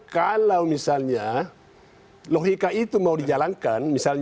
kalau misalnya logika itu mau dijalankan misalnya